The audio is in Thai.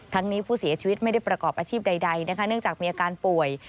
นี้ผู้เสียชีวิตไม่ได้ประกอบอาชีพใดนะคะเนื่องจากมีอาการป่วย